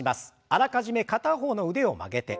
あらかじめ片方の腕を曲げて。